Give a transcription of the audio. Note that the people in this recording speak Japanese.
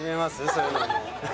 そういうのも。